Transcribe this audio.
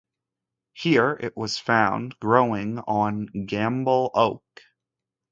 Here it was found growing on Gambel oak.